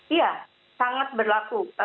iya sangat berlaku